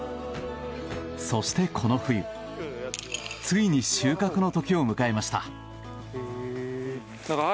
そしてこの冬ついに収穫の時を迎えました。